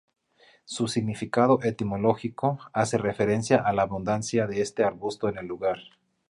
Su significado etimológico hace referencia a la abundancia de este arbusto en el lugar.